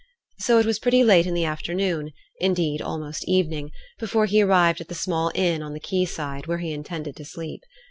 So it was pretty late in the afternoon, indeed almost evening, before he arrived at the small inn on the quay side, where he intended to sleep.